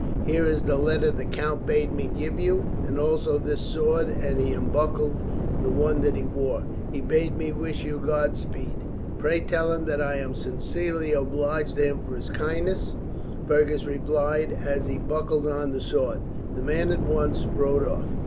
Here is the letter the count bade me give you, and also this sword," and he unbuckled the one that he wore. "He bade me wish you God speed." "Pray tell him that I am sincerely obliged to him for his kindness," Fergus replied, as he buckled on the sword. The man at once rode off.